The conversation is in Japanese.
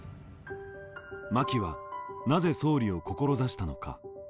真木はなぜ総理を志したのか。